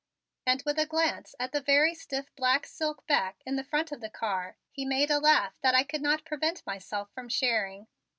And with a glance at the very stiff black silk back in the front of the car he made a laugh that I could not prevent myself from sharing.